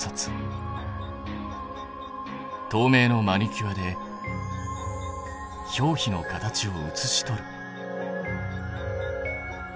とうめいのマニキュアで表皮の形を写し取る。